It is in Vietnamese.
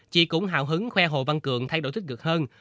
chị cũng hào hứng khoe hồ văn cường thay đổi tích cực hơn